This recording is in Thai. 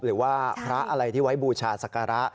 หรือว่าพระอะไรที่ไว้บูชาศักระ